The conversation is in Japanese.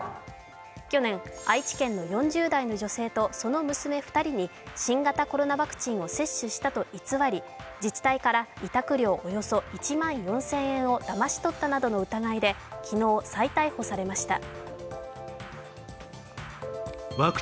去年、愛知県の４０代の女性とその娘２人に新型コロナワクチンを接種したと偽り、自治体から委託料およそ１万４０００円をだまし取ったなどの疑いで昨日再逮捕されました。